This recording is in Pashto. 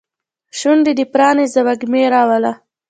شونډې دې پرانیزه وږمې راوله